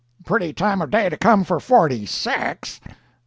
—pretty time of day to come for forty six!